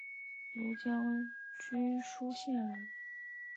庐江郡舒县人。